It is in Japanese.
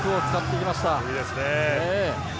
いいですね。